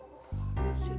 bukan ini motoran